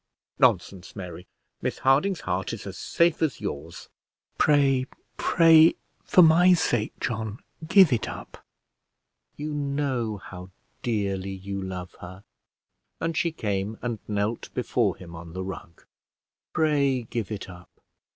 "Nonsense, Mary; Miss Harding's heart is as safe as yours." "Pray, pray, for my sake, John, give it up. You know how dearly you love her." And she came and knelt before him on the rug. "Pray give it up.